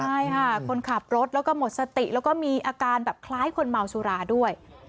ใช่ค่ะคนขับรถแล้วก็หมดสติแล้วก็มีอาการแบบคล้ายคนเมาสุราด้วย